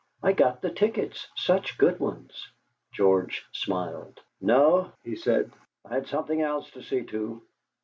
I got the tickets, such good ones!" George smiled. "No," he said; "I had something else to see to!"